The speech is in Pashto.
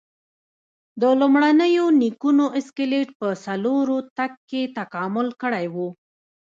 د لومړنیو نیکونو اسکلیټ په څلورو تګ کې تکامل کړی و.